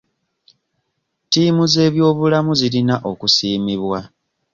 Ttiimu z'ebyobulamu zirina okusiimibwa.